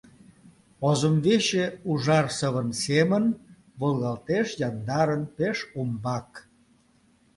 Озымвече ужар сывын семын волгалтеш яндарын пеш умбак.